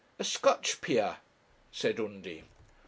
'A Scotch peer,' said Undy.